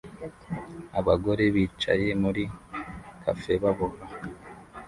Abagore bicaye muri cafe baboha